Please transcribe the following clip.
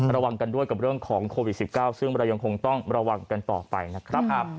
ระวังกันด้วยกับเรื่องของโควิด๑๙ซึ่งเรายังคงต้องระวังกันต่อไปนะครับ